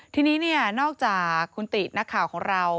ทีนี้นอกจากคุณตินักข่าวของเรา